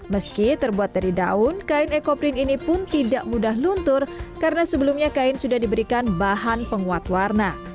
meski terbuat dari daun kain ekoprin ini pun tidak mudah luntur karena sebelumnya kain sudah diberikan bahan penguat warna